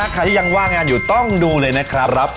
ใครที่ยังว่างงานอยู่ต้องดูเลยนะครับ